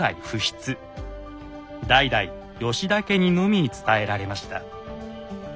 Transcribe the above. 代々吉田家にのみ伝えられました。